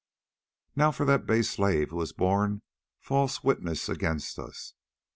"Now for that base slave who has borne false witness against us.